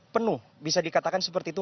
penuh bisa dikatakan seperti itu